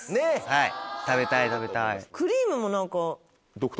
はい食べたい食べたい。